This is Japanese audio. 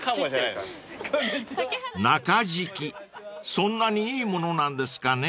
［そんなにいい物なんですかね］